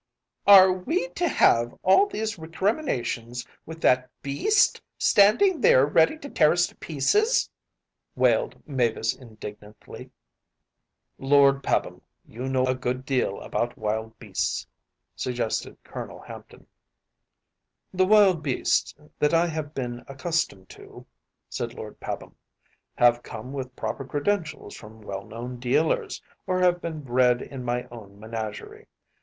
‚ÄĚ “Are we to have all these recriminations with that beast standing there ready to tear us to pieces?‚ÄĚ wailed Mavis indignantly. “Lord Pabham, you know a good deal about wild beasts‚ÄĒ‚ÄĚ suggested Colonel Hampton. “The wild beasts that I have been accustomed to,‚ÄĚ said Lord Pabham, “have come with proper credentials from well known dealers, or have been bred in my own menagerie.